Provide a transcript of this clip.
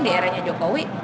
di eranya jokowi